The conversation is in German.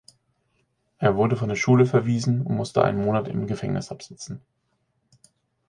Er wurde von der Schule verwiesen und musste einen Monat im Gefängnis absitzen.